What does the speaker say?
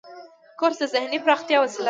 کورس د ذهني پراختیا وسیله ده.